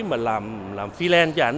mà làm freelance cho anh